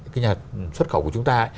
cái nhà xuất khẩu của chúng ta